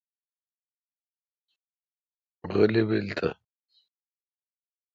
غلی بیل تے۔